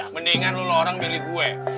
mendingan lu lu orang milih gue